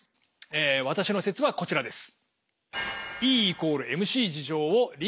え私の説はこちらです。